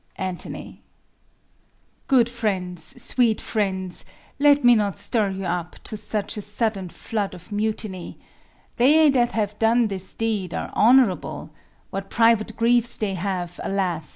Ant. Good friends, sweet friends, let me not stir you up To such a sudden flood of mutiny: They that have done this deed are honorable: What private griefs they have, alas!